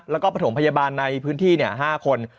แล้วก็ประถมพยาบาลในพื้นที่๕คน